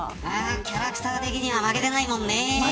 キャラクター的には負けてないもんね。